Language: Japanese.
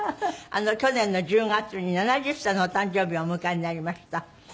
去年の１０月に７０歳のお誕生日をお迎えになりました。